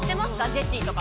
ジェシーとか」